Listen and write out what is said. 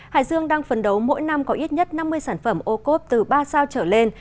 hải dương đang phấn đấu mỗi năm có ít nhất năm mươi sản phẩm ô cốp từ ba sao trở lên